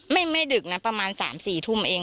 ไม่ได้ดึกนะรวมประมาณ๓๔ทุ่มสุดพื้น